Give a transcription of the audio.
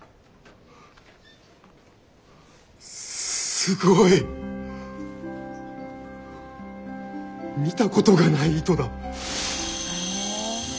すごい。見たことがない糸だ！